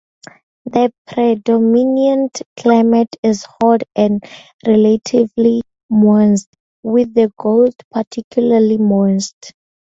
The predominant climate is hot and relatively moist, with the coast particularly moist.